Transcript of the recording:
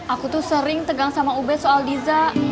aku tuh sering tegang sama ubed soal diza